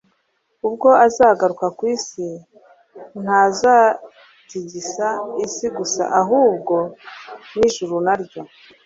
Ubwo azagaruka ku isi, «ntazatigisa isi gusa, ahubwo n'ijuru naryo.'»